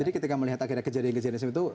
jadi ketika melihat akhirnya kejadian kejadian itu